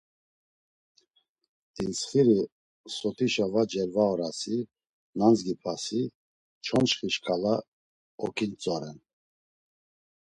Dintsxiri sotişe var celvaorasi, nandzgipasi çonçxi şǩala oǩintzoren.